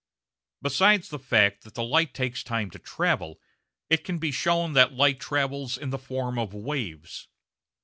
Besides the fact that light takes time to travel, it can be shown that light travels in the form of waves.